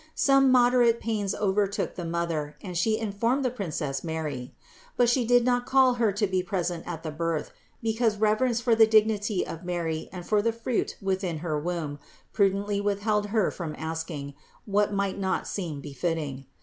Some moderate pains overtook the mother and she informed the Princess Mary. But she did not call Her to be present at the birth, because reverence for the dignity of Mary and for the Fruit within her womb, prudently withheld her from asking, what might not seem befitting.